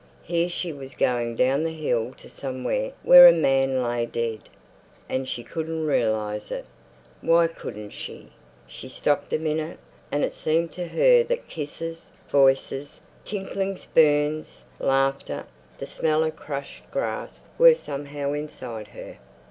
Here she was going down the hill to somewhere where a man lay dead, and she couldn't realize it. Why couldn't she? She stopped a minute. And it seemed to her that kisses, voices, tinkling spoons, laughter, the smell of crushed grass were somehow inside her.